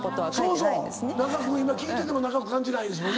長く今聞いてても長く感じないですもんね。